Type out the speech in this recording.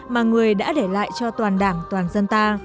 mà người đã để lại cho toàn đảng toàn dân ta